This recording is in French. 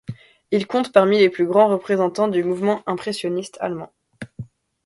Il compte parmi les plus grands représentants du mouvement impressionniste allemand.